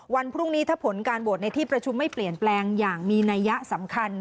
วันพรุ่งนี้ถ้าผลการโหวตในที่ประชุมไม่เปลี่ยนแปลงอย่างมีนัยยะสำคัญ